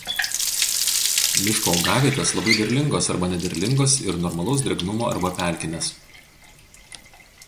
Miško augavietės labai derlingos arba nederlingos ir normalaus drėgnumo arba pelkinės.